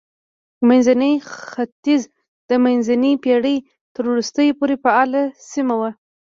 منځنی ختیځ د منځنۍ پېړۍ تر وروستیو پورې فعاله سیمه وه.